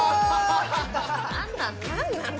何なの？